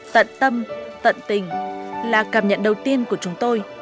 tận tâm tận tình là cảm nhận đầu tiên của chúng tôi